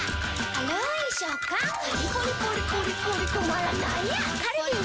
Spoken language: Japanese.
軽ーい食感カリッポリポリポリポリ止まらないやつカルビー！